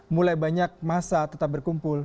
mulai banyak masa tetap berkumpul